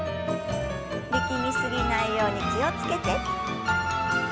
力み過ぎないように気を付けて。